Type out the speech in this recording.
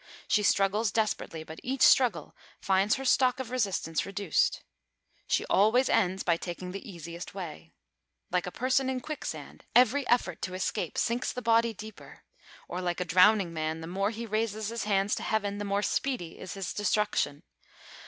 She struggles desperately, but each struggle finds her stock of resistance reduced. She always ends by taking the easiest way. Like a person in a quicksand, every effort to escape sinks the body deeper; or, like a drowning man, the more he raises his hands to heaven, the more speedy is his destruction.